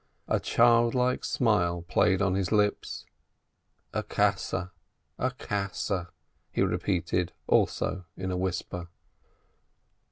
A childlike smile played on his lips : "A kasa, a kasa !" he repeated, also in a whisper.